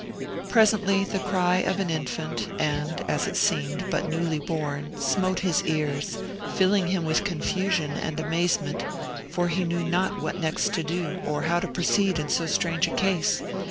Presently the cry of an infant, and, as it seemed, but newly born, smote his ears, filling him with confusion and amazement, for he knew not what next to do, or how to proceed in so strange a case.